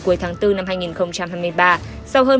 cuối tháng bốn năm hai nghìn hai mươi ba sau hơn